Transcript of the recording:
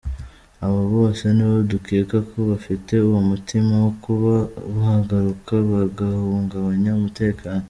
Abo bose nibo dukeka ko bafite uwo mutima wo kuba bagaruka bagahungabanya umutekano”.